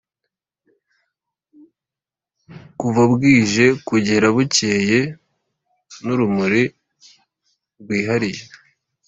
kuva bwije kugera bukeye n'urumuri rwihariye